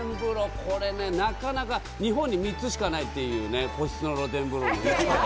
これね、なかなか日本に３つしかないというね、個室の露天風呂。